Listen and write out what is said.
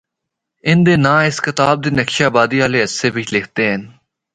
ان دے ناں اس کتاب دے نقشہ آبادی آلے حصے بچ لِکھے دے ہن۔